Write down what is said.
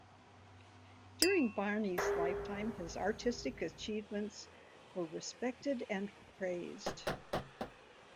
During Barney's lifetime, his artistic achievements were respected and praised.